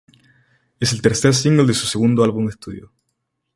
Es el tercer single de su segundo álbum de estudio.